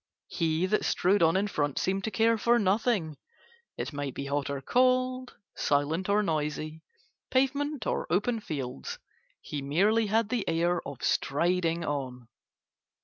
He that strode on in front seemed to care for nothing, it might be hot or cold, silent or noisy, pavement or open fields, he merely had the air of striding on.